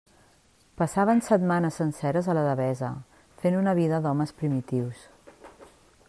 Passaven setmanes senceres a la Devesa, fent una vida d'homes primitius.